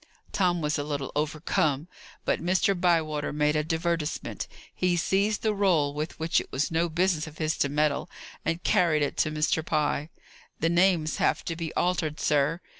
Tom was a little overcome. But Mr. Bywater made a divertisement. He seized the roll, with which it was no business of his to meddle, and carried it to Mr. Pye. "The names have to be altered, sir."